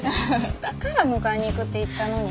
だから迎えに行くって言ったのに。